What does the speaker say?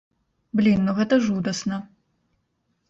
Блін, ну гэта жудасна!